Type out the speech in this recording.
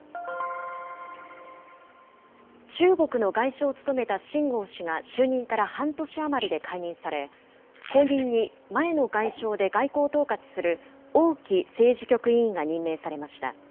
中国の外相を務めた秦剛氏が、就任から半年余りで解任され、後任に前の外相で外交を統括する王毅政治局委員が任命されました。